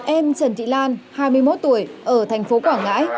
em trần thị lan hai mươi một tuổi ở thành phố quảng ngãi